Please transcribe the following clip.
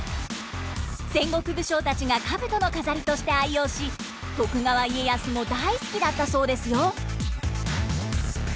戦国武将たちが兜の飾りとして愛用し徳川家康も大好きだったそうですよ。